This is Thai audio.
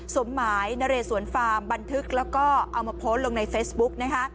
สมหมายนเรสวนฟาร์มบันทึกแล้วก็เอามาโพสต์ลงในเฟซบุ๊กนะคะ